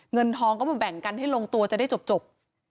เงินทองก็มาแบ่งกันให้ลงตัวจะได้จบ